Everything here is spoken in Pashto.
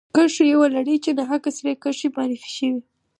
کرښو یوه لړۍ چې ناحقه سرې کرښې معرفي شوې.